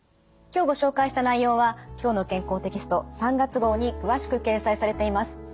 今日ご紹介した内容は「きょうの健康」テキスト３月号に詳しく掲載されています。